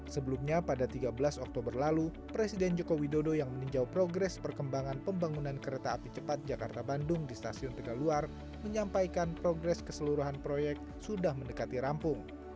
sebelumnya pada tiga belas oktober lalu presiden joko widodo yang meninjau progres perkembangan pembangunan kereta api cepat jakarta bandung di stasiun tegaluar menyampaikan progres keseluruhan proyek sudah mendekati rampung